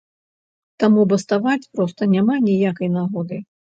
Таму баставаць проста няма ніякай нагоды!